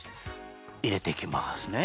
いれていきますね